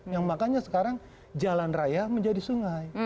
yang makanya sekarang jalan raya menjadi sungai